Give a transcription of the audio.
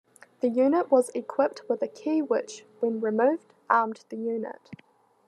The unit was equipped with a key which, when removed, armed the unit.